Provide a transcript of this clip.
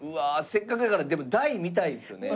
せっかくだからでも大見たいですよね？